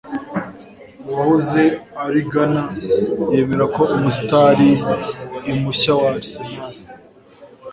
Uwahoze ari Gunner yemera ko umustar imushya wa Arsenal